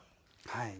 はい。